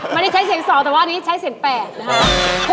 มันนี่ใช้เสียงสองแต่ว่าอันนี้ใช้เสียงแปดนะครับ